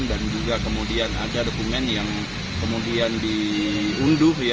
dan juga kemudian ada dokumen yang kemudian diunduh